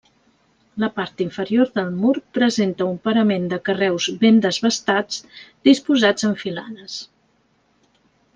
La part inferior del mur presenta un parament de carreus ben desbastats disposats en filades.